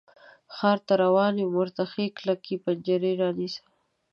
ښار ته روان یم، ورته ښې کلکې پنجرې رانیسم